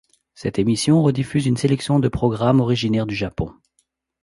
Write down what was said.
Cette émission rediffuse une sélection de programmes originaires du Japon.